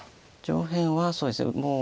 上辺はそうですね。